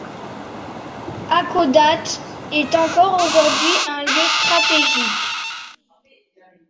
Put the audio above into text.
Hakodate est encore aujourd'hui un lieu stratégique.